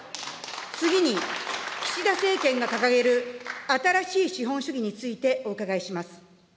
次に、岸田政権が掲げる新しい資本主義についてお伺いします。